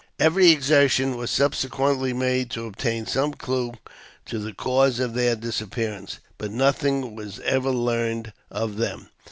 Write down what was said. Every exertion was subsequently made to obtain some clue to the cause of their disappearance, but nothing was ever learned of them.